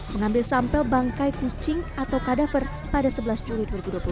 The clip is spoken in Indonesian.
mengambil sampel bangkai kucing atau kadaver pada sebelas juli dua ribu dua puluh